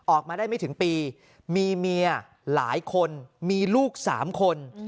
ออกมาได้ไม่ถึงปีมีเมียหลายคนมีลูก๓คน